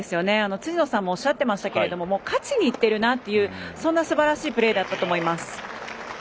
辻野さんもおっしゃってましたけれども勝ちにいっているなというそんなすばらしいプレーだったと思います。